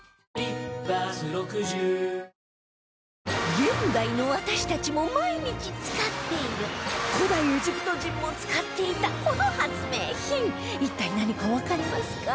現代の私たちも毎日使っている古代エジプト人も使っていたこの発明品一体、何かわかりますか？